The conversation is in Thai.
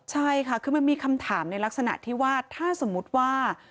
ใช่ค่ะคือมันมีคำถามในลักษณะที่ว่าถ้าสมมุติว่า